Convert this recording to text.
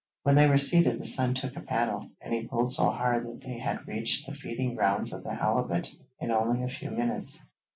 When they were seated the son took a paddle, and he pulled so hard that they had reached the feeding grounds of the halibut in only a few minutes.